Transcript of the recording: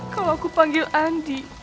kalau aku panggil andi